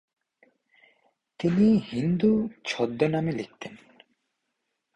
তিনি "হিন্দু" ছদ্মনামে লিখতেন।